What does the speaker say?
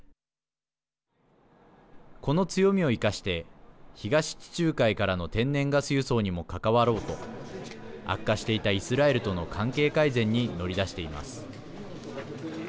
この強みを生かして東地中海からの天然ガス輸送にも関わろうと悪化していたイスラエルとの関係改善に乗り出しています。